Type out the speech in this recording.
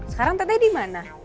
sekarang tete dimana